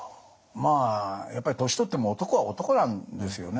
まあやっぱり年取っても男は男なんですよね。